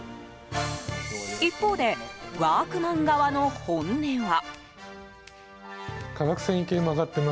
一方でワークマン側の本音は。